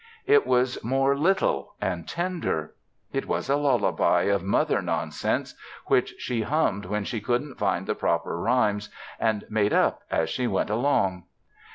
It was more little and tender. It was a lullaby of mother nonsense, which she hummed when she couldn't find the proper rhymes and made up as she went along.